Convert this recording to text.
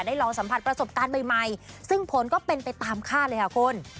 ลองสัมผัสประสบการณ์ใหม่ซึ่งผลก็เป็นไปตามค่าเลยค่ะคุณ